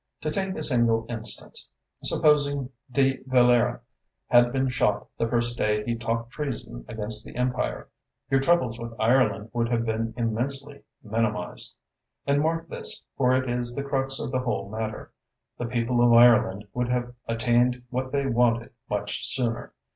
To take a single instance. Supposing De Valera had been shot the first day he talked treason against the Empire, your troubles with Ireland would have been immensely minimised. And mark this, for it is the crux of the whole matter, the people of Ireland would have attained what they wanted much sooner.